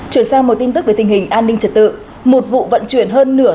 chuyển sang một tin tức về tình hình an ninh trật tự một vụ vận chuyển hơn nửa